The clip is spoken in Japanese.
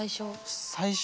最初。